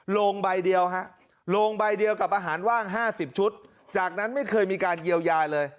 โรงใบเดียวฮะโรงใบเดียวกับอาหารว่าง๕๐ชุดจากนั้นไม่เคยมีการเยียวยาเลย